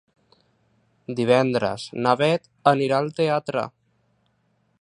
Divendres na Beth anirà al teatre.